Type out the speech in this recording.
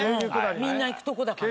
みんな行くとこだから。